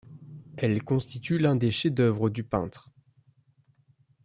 Elle constitue l'un des chefs-d'œuvre du peintre.